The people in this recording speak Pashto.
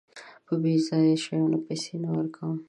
په بېځايه شيانو پيسې نه ورکوم.